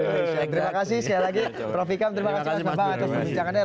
terima kasih sekali lagi prof ikam terima kasih mas bambang atas perbincangannya